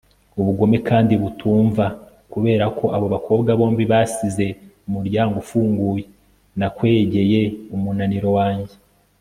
ubugome kandi butumva. kubera ko abo bakobwa bombi basize umuryango ufunguye, nakwegeye umunaniro wanjye